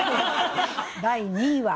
第２位は。